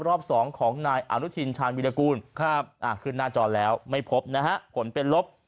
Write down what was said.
รอบ๒ของนายอนุทินชาญวิรากูลขึ้นหน้าจอแล้วไม่พบนะฮะผลเป็นลบ